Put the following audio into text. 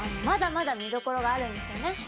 まだまだ見どころがあるんですよね。